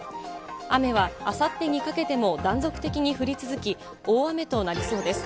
雨はあさってにかけても断続的に降り続き、大雨となりそうです。